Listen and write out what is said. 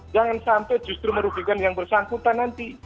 jangan sampai justru merugikan yang bersangkutan nanti